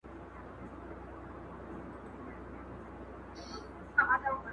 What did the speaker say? سترګي یې ډکي له فریاده په ژباړلو ارزي,